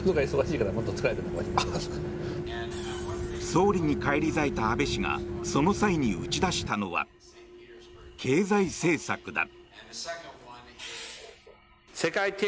総理に返り咲いた安倍氏がその際に打ち出したのは経済政策だ。